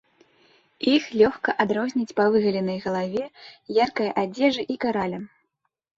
Іх лёгка адрозніць па выгаленай галаве, яркай адзежы і каралям.